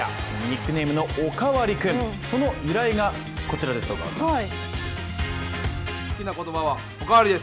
ニックネームのおかわり君その由来がこちらです、小川さん。